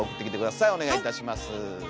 お願いいたします。